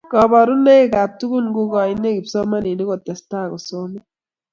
kaborunekab tukun kukoine kipsomaninik kutesta kusoman